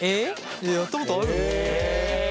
いややったことあるよ。